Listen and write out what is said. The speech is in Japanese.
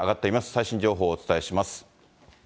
最新情報をお伝えします。